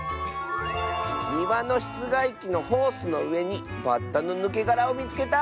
「にわのしつがいきのホースのうえにバッタのぬけがらをみつけた！」。